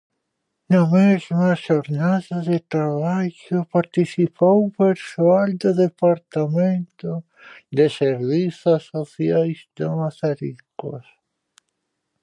Na mesma xornada de traballo participou persoal do departamento de servizos sociais de Mazaricos.